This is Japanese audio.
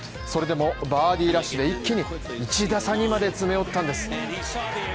それでもバーディーラッシュで一気に、１打差にまで詰め寄ったんですね。